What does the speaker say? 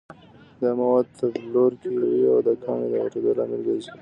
دا مواد تبلور کوي او د کاڼي د غټېدو لامل ګرځي.